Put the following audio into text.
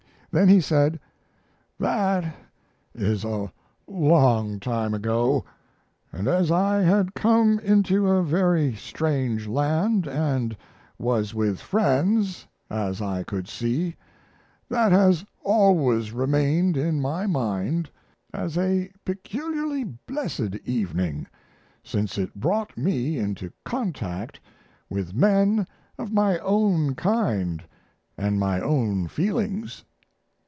Then he said: That is a long time ago, and as I had come into a very strange land, and was with friends, as I could see, that has always remained in my mind as a peculiarly blessed evening, since it brought me into contact with men of my own kind and my own feelings.